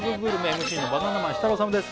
ＭＣのバナナマン設楽統です